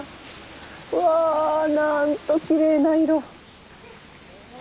うわあなんときれいな色。